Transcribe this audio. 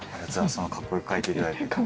そんなかっこよく描いていただいて。